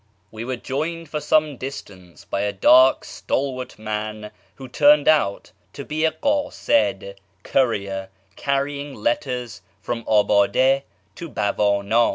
We were joined for some distance by a dark, stalwart man, who turned out to be a kiUid (courier) carrying letters from Abtide to Bawan; it.